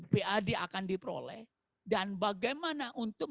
pad akan diperoleh dan bagaimana untuk